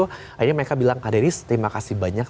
akhirnya mereka bilang kak deris terima kasih banyak